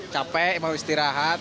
capek mau istirahat